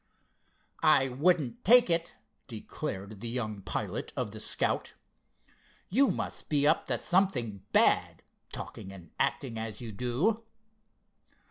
"I wouldn't take it," declared the young pilot of the Scout. "You must be up to something bad, talking and acting as you do."